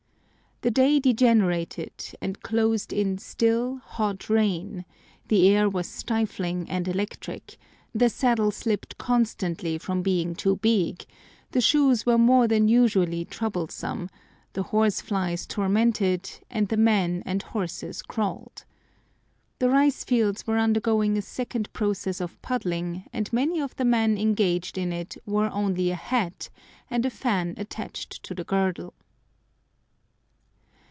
The day degenerated, and closed in still, hot rain; the air was stifling and electric, the saddle slipped constantly from being too big, the shoes were more than usually troublesome, the horseflies tormented, and the men and horses crawled. The rice fields were undergoing a second process of puddling, and many of the men engaged in it wore only a hat, and a fan attached to the girdle.